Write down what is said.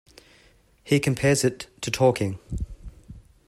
He compares it to "talking".